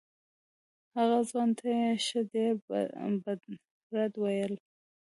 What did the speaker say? هغه ځوان ته یې ښه ډېر بد رد وویل.